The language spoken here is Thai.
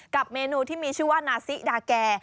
เมนูที่มีชื่อว่านาซิดาแก